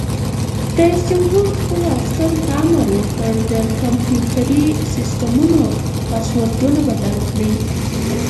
رئیس جمهور خپلو عسکرو ته امر وکړ؛ د کمپیوټري سیسټمونو پاسورډونه بدل کړئ!